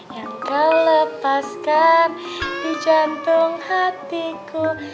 yang kau lepaskan di jantung hatiku